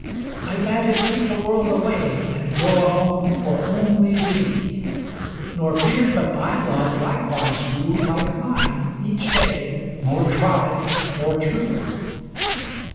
I bade it keep the world away, And grow a home for only thee; Nor feared but thy love likewise grew, Like mine, each day, more tried, more true.